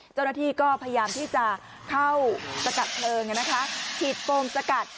เจ้าหน้าที่ก็พยายามที่จะเข้าสกัดเพลิงอย่างนี้นะคะถีดปรงสกัด